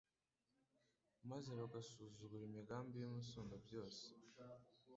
maze bagasuzugura imigambi y’Umusumbabyose